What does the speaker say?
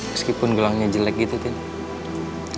meskipun gelangnya jelek gitu kan